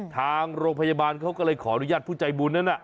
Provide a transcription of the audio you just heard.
ทางโรงพยาบาลเขาก็เลยขออนุญาตผู้ใจบุญนั้น